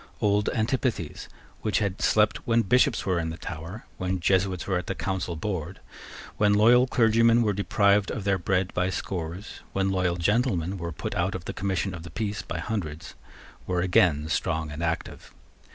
Old antipathies, which had slept when Bishops were in the Tower, when Jesuits were at the Council board, when loyal clergymen were deprived of their bread by scores, when loyal gentlemen were put out of the commission of the peace by hundreds, were again strong and active.